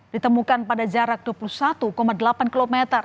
ditemukan pada jarak dua puluh satu delapan km